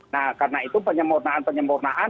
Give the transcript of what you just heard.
nah karena itu penyemurnaan penyemurnaan